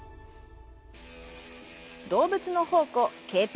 動物の宝庫、ケープ